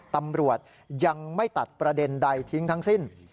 ตำรวจยังไม่ตัดประเด็นใดทิ้งทั้งสิ้น